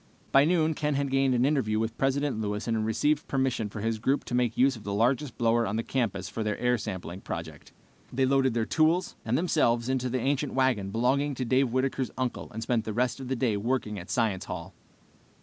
By noon Ken had gained an interview with President Lewis and had received permission for his group to make use of the largest blower on the campus for their air sampling project. They loaded their tools and themselves into the ancient wagon belonging to Dave Whitaker's uncle and spent the rest of the day working at Science Hall.